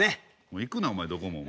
もう行くなお前どこも。